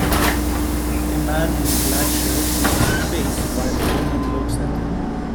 A man in a black shirt makes a face while a woman looks at him.